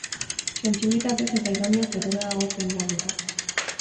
Sentsibilitatez eta ironiaz beteta dago film laburra.